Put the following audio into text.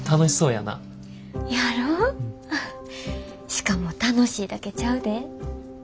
しかも楽しいだけちゃうで。